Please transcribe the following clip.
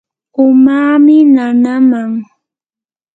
umami nanaaman.